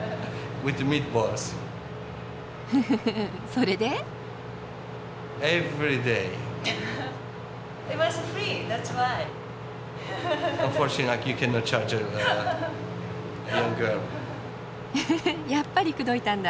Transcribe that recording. ウフフやっぱり口説いたんだ。